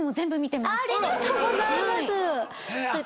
ありがとうございます。